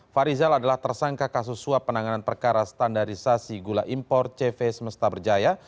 farizal adalah tersangka kasus suap penanganan perkara standarisasi gula impor cv semesta berjaya